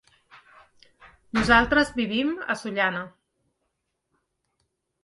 Nosaltres vivim a Sollana.